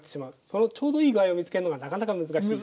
そのちょうどいい具合を見つけるのがなかなか難しい。